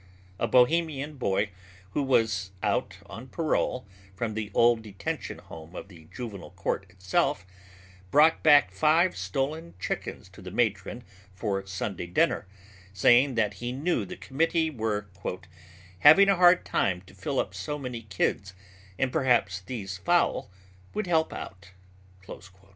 A Bohemian boy who was out on parole from the old detention home of the Juvenile Court itself, brought back five stolen chickens to the matron for Sunday dinner, saying that he knew the Committee were "having a hard time to fill up so many kids and perhaps these fowl would help out."